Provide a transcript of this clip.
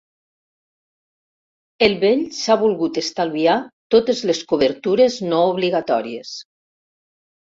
El vell s'ha volgut estalviar totes les cobertures no obligatòries.